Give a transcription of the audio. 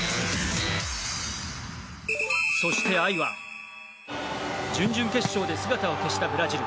そして、哀は準々決勝で姿を消したブラジル。